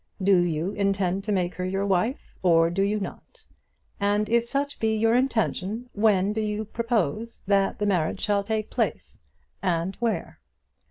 Do you intend to make her your wife, or do you not? And if such be your intention, when do you purpose that the marriage shall take place, and where?